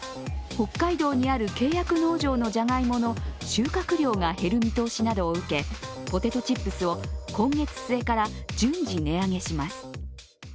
北海道にある契約農場のじゃがいもの収穫量が減る見通しなどを受け、ポテトチップスを今月末から順次値上げします。